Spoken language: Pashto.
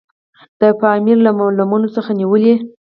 د پامیر له لمنو څخه نیولې.